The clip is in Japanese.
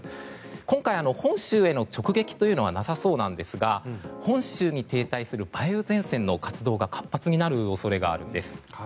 今回、本州への直撃というのはなさそうなんですが本州に停滞する梅雨前線の活動が活発になる恐れがあるんです。